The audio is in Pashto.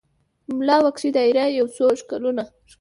ملا وکښې دایرې یو څو شکلونه